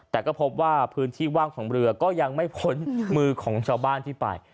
แต่ก็พบว่าพื้นที่ว่างของเรือก็ยังไม่พ้นมือของชาวบ้านที่ไป